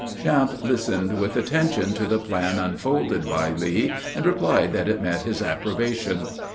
Champe listened with attention to the plan unfolded by Lee, and replied that it met his approbation.